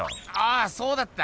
あそうだった！